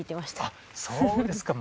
そうですか。